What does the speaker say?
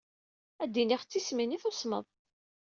Ad d-iniɣ d tismin i tusmeḍ.